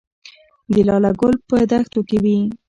د لاله ګل په دښتو کې وي